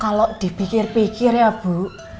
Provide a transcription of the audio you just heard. kalau dipikir pikir ya bu